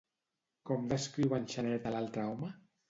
Com descriu en Xaneta a l'altre home?